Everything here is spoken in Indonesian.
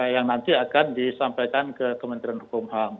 yang nanti akan disampaikan ke kementerian hukum ham